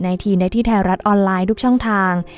ได้ที่แถวรัฐออนไลน์ทุกช่องทาง